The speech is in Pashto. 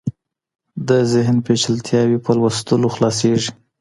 د ذهن پېچلتیاوې په لوستلو خلاصیږي.